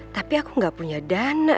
tapi aku gak punya dana